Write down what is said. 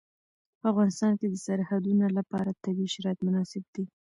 په افغانستان کې د سرحدونه لپاره طبیعي شرایط مناسب دي.